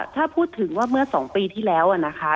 ถ้าพูดถึงว่าเมื่อ๒ปีที่แล้วนะคะ